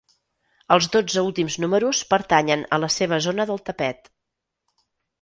Els dotze últims números pertanyen a la seva zona del tapet.